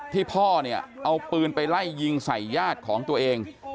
พ่อเนี่ยเอาปืนไปไล่ยิงใส่ญาติของตัวเอง